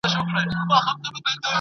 ایا تکړه پلورونکي وچ توت ساتي؟